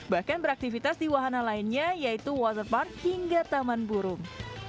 bahkan beraktivitas di wahana lainnya yaitu waterpark hingga taman burung